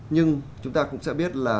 nhưng chúng ta cũng sẽ biết là